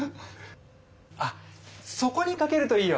あっそこにかけるといいよ！